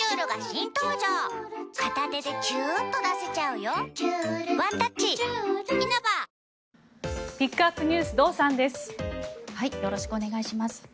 よろしくお願いします。